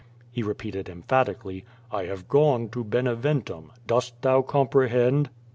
He repeated emphatically: "I have gone to Beneventum. Dost thou comprehend?"